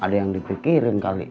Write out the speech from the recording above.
ada yang dipikirin kali